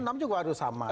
nam juga harus sama